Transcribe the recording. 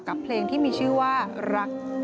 เพลงที่มีชื่อว่ารัก